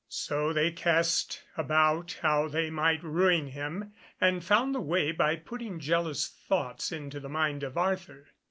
So they cast about how they might ruin him, and found the way by putting jealous thoughts into the mind of Arthur.